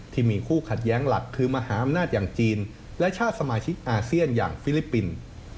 ที่มีคู่ขัดแย้งหลักคือมหาอำนาจอย่างจีนและชาติสมาชิกอาเซียนอย่างฟิลิปปินส์